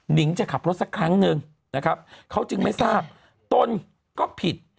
นิงจะขับรถสักครั้งหนึ่งนะครับเขาจึงไม่ทราบตนก็ผิด